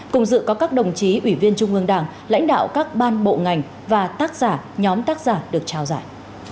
cùng dự có các đồng chí ủy viên trung ương đảng lãnh đạo các ban bộ ngành và tác giả nhóm tác giả được trao giải